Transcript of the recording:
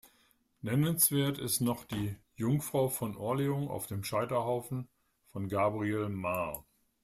Nennenswert ist noch die „Jungfrau von Orleans auf dem Scheiterhaufen“ von Gabriel Mar.